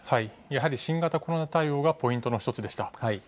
やはり新型コロナ対応がポイントの１つでした。